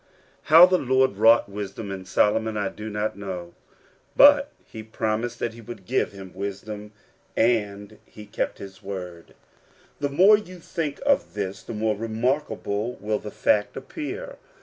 OW the Lord wrought wisdom in Solo mon I do not know ; but he promised that he would give him wisdom, and he kept his word. The more you think of this the more remarkable will the fact appear.